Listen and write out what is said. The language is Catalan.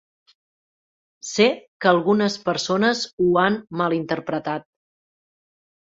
Sé que algunes persones ho han malinterpretat.